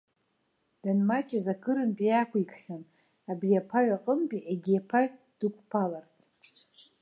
Данмаҷыз акырынтә иақәикхьан, абри аԥаҩ аҟынтәи егьи аԥаҩ дықәԥаларц.